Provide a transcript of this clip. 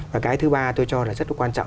và cái thứ ba tôi cho là rất là quan trọng